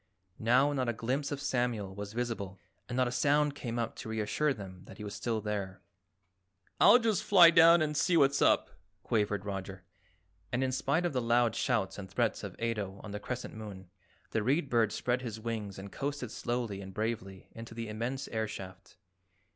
Now not a glimpse of Samuel was visible and not a sound came up to reassure them that he was still there. "I'll just fly down and see what's up," quavered Roger, and in spite of the loud shouts and threats of Ato on the Crescent Moon, the Read Bird spread his wings and coasted slowly and bravely into the immense air shaft.